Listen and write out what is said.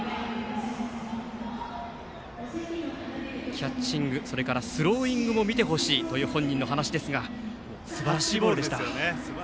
キャッチング、スローイングも見てほしいという本人の話ですがすばらしいボールでした。